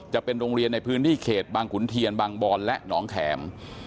จะเป็นโรงเรียนในพื้นที่เขตบางขุนเทียนบางบอนและหนองแข็ม